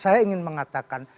saya ingin mengatakan